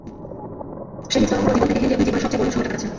সেই নিস্তরঙ্গ জীবন থেকে হেনরি এখন জীবনের সবচেয়ে বর্ণিল সময়টা কাটাচ্ছেন।